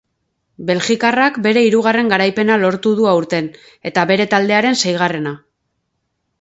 Belgikarrak bere hirugarren garaipena lortu du aurten, eta bere taldearen seigarrena.